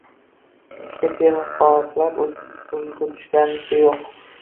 Eshikka temir qoplab ulgurishganicha yo`q